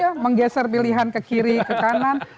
ya menggeser pilihan ke kiri ke kanan